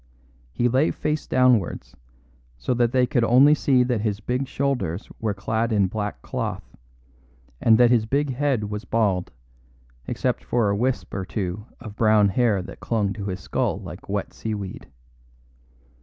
He lay face downwards, so they could only see that his big shoulders were clad in black cloth, and that his big head was bald, except for a wisp or two of brown hair that clung to his skull like wet seaweed.